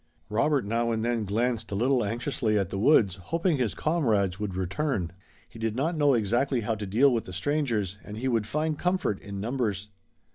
Robert now and then glanced a little anxiously at the woods, hoping his comrades would return. He did not know exactly how to deal with the strangers and he would find comfort in numbers.